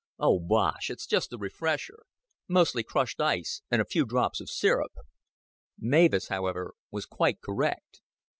"Oh, bosh. It's just a refresher. Mostly crushed ice, and a few drops of sirup." Mavis, however, was quite correct.